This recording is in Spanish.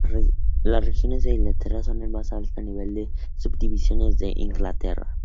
Las regiones de Inglaterra son el más alto nivel de las Subdivisiones de Inglaterra.